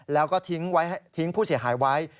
แล้วก็ทิ้งผู้เสียหายไว้